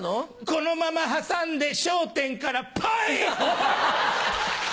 このまま挟んで『笑点』からポイ‼おい！